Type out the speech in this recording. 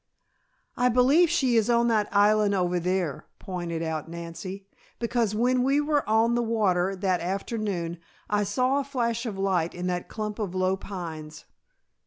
"I believe she is on that island over there," pointed out Nancy, "because when we were on the water that afternoon, I saw a flash of light in that clump of low pines."